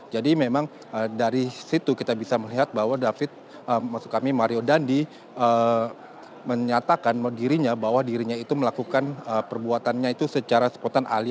jadi memang dari situ kita bisa melihat bahwa david maksud kami mario dandi menyatakan dirinya bahwa dirinya itu melakukan perbuatan